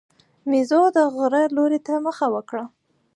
مېزو د غره لوري ته مخه وکړه.